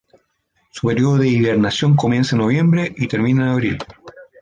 Su período de hibernación comienza en noviembre y termina en abril.